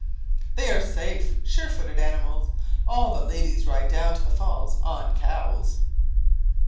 "They are very safe, sure footed animals. All the ladies ride down to the Falls on cows."